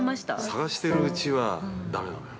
◆探してるうちはだめなのよ。